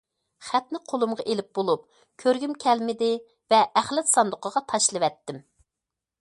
خەتنى قولۇمغا ئېلىپ بولۇپ كۆرگۈم كەلمىدى ۋە ئەخلەت ساندۇقىغا تاشلىۋەتتىم.